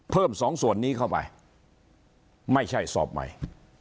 สองส่วนนี้เข้าไปไม่ใช่สอบใหม่